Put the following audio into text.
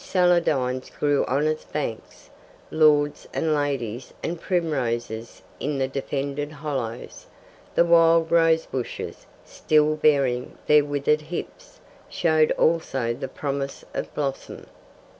Celandines grew on its banks, lords and ladies and primroses in the defended hollows; the wild rose bushes, still bearing their withered hips, showed also the promise of blossom.